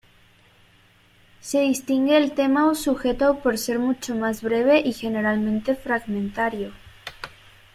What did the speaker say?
Se distingue del tema o sujeto por ser mucho más breve y generalmente fragmentario.